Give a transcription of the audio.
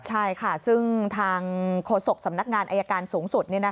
ใช่ค่ะซึ่งทางโฆษกสำนักงานอายการสูงสุด